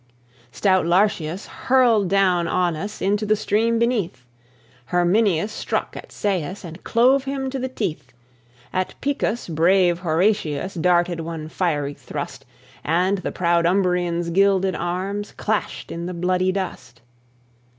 Stout Lartius hurled down Aunus Into the stream beneath; Herminius struck at Seius, And clove him to the teeth; At Picus brave Horatius Darted one fiery thrust; And the proud Umbrian's gilded arms Clashed in the bloody dust.